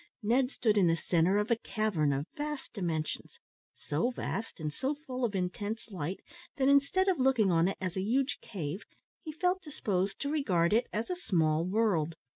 Ned stood in the centre of a cavern of vast dimensions so vast, and so full of intense light, that instead of looking on it as a huge cave, he felt disposed to regard it as a small world.